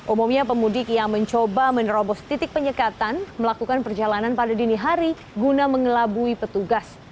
umumnya pemudik yang mencoba menerobos titik penyekatan melakukan perjalanan pada dini hari guna mengelabui petugas